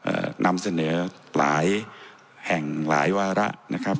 เอ่อนำเสนอหลายแห่งหลายวาระนะครับ